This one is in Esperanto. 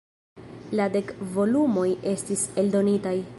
La dek volumoj estis eldonitaj.